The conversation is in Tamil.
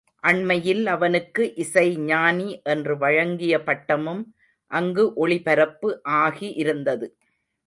அண்மையில் அவனுக்கு இசை ஞானி என்று வழங்கிய பட்டமும் அங்கு ஒளிபரப்பு ஆகி இருந்தது.